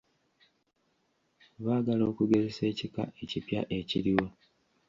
Baagala okugezesa ekika ekipya ekiriwo.